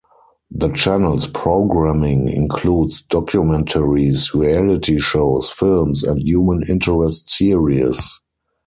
The channel's programming includes documentaries, reality shows, films, and human interest series.